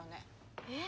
えっ。